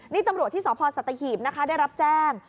นี่ตำรวจที่สศัตริย์ขีบได้รับแจ้ง